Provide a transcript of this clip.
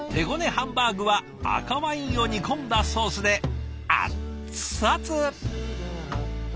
ハンバーグは赤ワインを煮込んだソースでアッツアツ。